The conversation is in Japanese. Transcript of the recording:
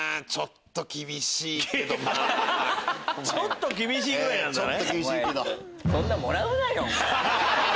ちょっと厳しいぐらいなんだね。